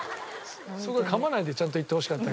そこはかまないでちゃんと言ってほしかった。